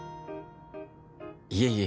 「いえいえ。